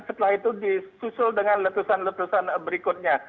setelah itu disusul dengan letusan letusan berikutnya